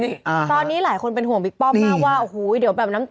ตอนนี้หลายคนเป็นห่วงบิ๊บป้อมมากว่า